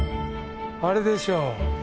あれでしょ。